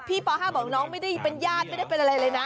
ป๕บอกน้องไม่ได้เป็นญาติไม่ได้เป็นอะไรเลยนะ